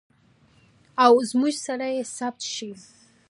او موږ سره ثبت شي.